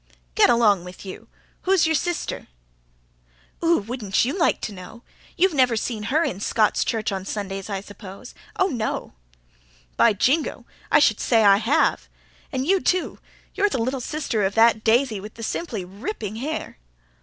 "Get along with you! Who's your sister?" "Ooh! wouldn't you like to know? You've never seen her in Scots' Church on Sundays I s'pose oh, no!" "By jingo! I should say I have. An' you, too. You're the little sister of that daisy with the simply ripping hair."